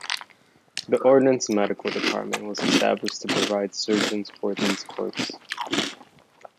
The Ordnance Medical Department was established to provide surgeons for these corps.